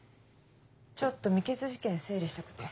ちょっと未決事件整理したくて。